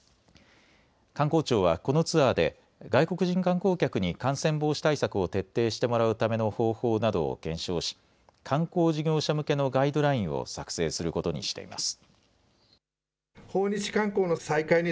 観光庁はこのツアーで外国人観光客に感染防止対策を徹底してもらうための方法などを検証し観光事業者向けのガイドラインを作成することにしています。